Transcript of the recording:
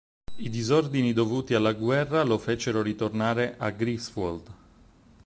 I disordini dovuti alla guerra lo fecero ritornare a Greifswald.